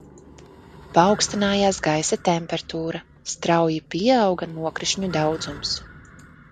Paaugstinājās gaisa temperatūra, strauji pieauga nokrišņu daudzums.